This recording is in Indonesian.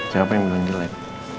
siapa yang bilang jelek